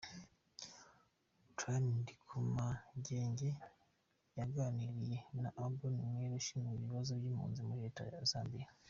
Prime Ndikumagenge yaganiriye na Abdon Mawere ushinzwe ibibazo by’impunzi muri leta ya Zambia.